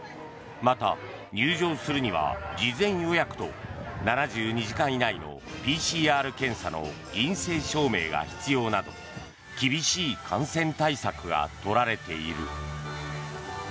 また、入場するには事前予約と７２時間以内のＰＣＲ検査の陰性証明が必要など厳しい感染対策が取られている。